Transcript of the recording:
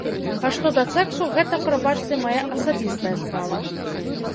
А што да сэксу, гэта, прабачце, мая асабістая справа.